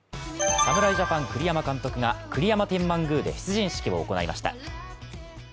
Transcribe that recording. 侍ジャパン・栗山監督が栗山天満宮で出陣式を行いました。